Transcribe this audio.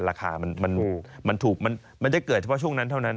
ราคามันถูกมันจะเกิดเฉพาะช่วงนั้นเท่านั้น